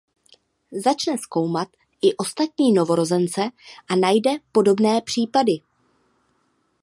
Začne zkoumat i ostatní novorozence a najde podobné případy.